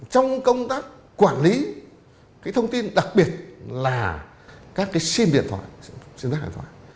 trong công tác quản lý cái thông tin đặc biệt là các cái sim điện thoại xin các điện thoại